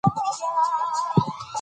د مینې او ورورولۍ پيغام خپور کړئ.